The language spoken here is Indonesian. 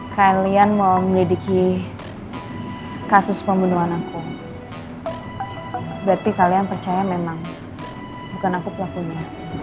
kalian mau menyelidiki kasus pembunuhan aku berarti kalian percaya memang bukan aku pelakunya